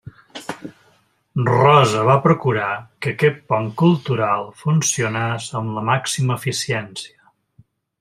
Rosa va procurar que aquest pont cultural funcionés amb la màxima eficiència.